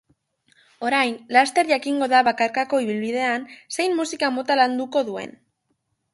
Orain, laster jakingo da bakarkako ibilbidean zein musika mota landuko duen.